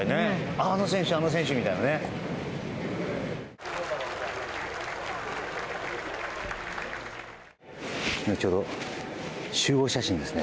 あの選手、あの選手みたいなね。